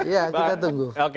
ya kita tunggu